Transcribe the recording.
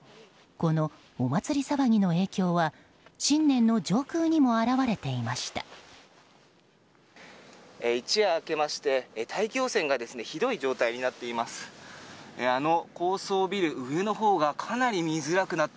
このお祭り騒ぎの影響は新年の上空にも表れていました。